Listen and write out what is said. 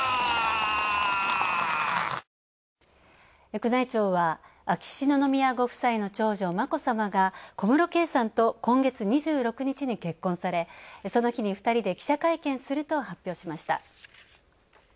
宮内庁は、秋篠宮ご夫妻の長女・眞子さまが小室圭さんと今月２６日に結婚され、その日に２人で記者会見すると発表しました。